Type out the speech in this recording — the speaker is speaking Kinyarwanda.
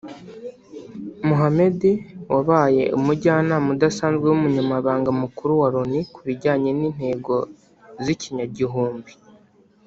Mohammed wabaye Umujyanama udasanzwe w’Umunyamabanga Mukuru wa Loni ku bijyanye n’intego z’ikinyagihumbi